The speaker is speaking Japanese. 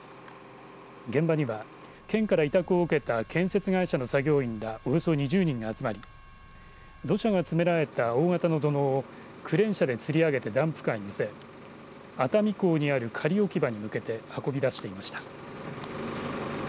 現場には、県から委託を受けた建設会社の作業員らおよそ２０人が集まり土砂が詰められた大型の土のうをクレーン車でつり上げてダンプカーに載せ熱海港にある仮置き場に向けて運び出していました。